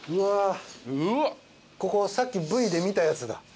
ここさっきＶで見たやつだ。